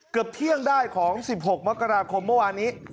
เกือบเที่ยงได้ของ๑๖มกราคมเมื่อวานนี้